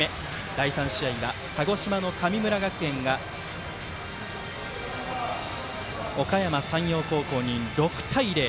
第３試合は、鹿児島の神村学園がおかやま山陽高校に６対０。